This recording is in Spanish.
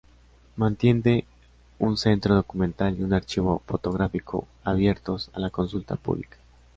Mantiene un Centro Documental y un archivo fotográfico abiertos a la consulta pública.